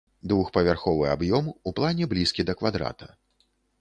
Двухпавярховы аб'ём, у плане блізкі да квадрата.